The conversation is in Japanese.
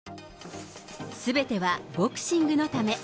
すべてはボクシングのため。